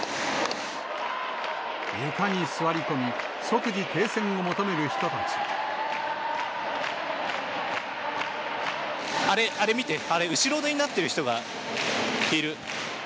床に座り込み、あれ、あれ見て、あれ、後ろ手になってる人がいる。